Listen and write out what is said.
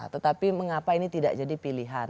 tetapi mengapa ini tidak jadi pilihan